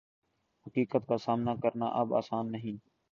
حقیقت کا سامنا کرنا اب آسان نہیں